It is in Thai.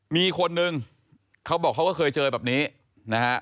มีคนนึงเขาบอกเขาก็เคยเจอแบบนี้นะฮะ